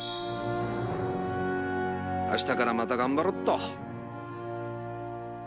あしたからまた頑張ろっと。